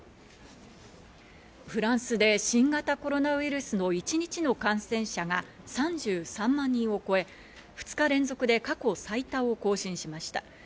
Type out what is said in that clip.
フランスで新型コロナウイルスの一日の感染者が３３万人を超え、２日連続で過去最多を更新しました。